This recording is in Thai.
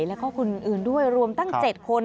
แล้วก็คนอื่นด้วยรวมตั้ง๗คน